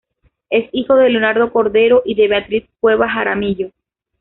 Es hijo de Leonardo Cordero y de Beatriz Cueva Jaramillo.